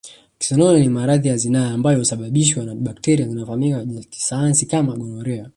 Kisonono ni maradhi ya zinaa ambayo husababishwa na bakteria zinazofahamika kisayansi kama gonolea